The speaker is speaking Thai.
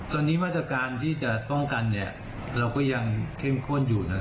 ตอนนี้มาตรการที่จะป้องกันเราก็ยังเข้มข้นอยู่